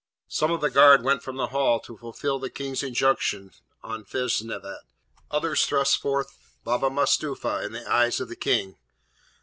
Some of the guard went from the Hall to fulfil the King's injunction on Feshnavat, others thrust forth Baba Mustapha in the eyes of the King.